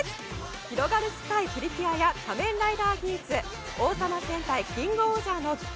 「ひろがるスカイ！プリキュア」や「仮面ライダーギーツ」「王様戦隊キングオージャー」の期間